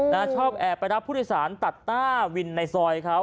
ชอบแอบไปรับผู้โดยสารตัดต้าวินในซอยเขา